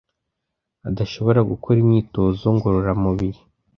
adashobora gukora imyitozo ngororamubiri.